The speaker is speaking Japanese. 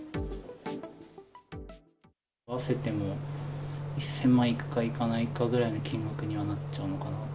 合わせても１０００万いくかいかないかくらいの金額にはなっちゃうのかなと。